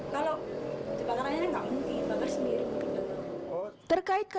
kalau dibakar ayahnya nggak mungkin dibakar sendiri mungkin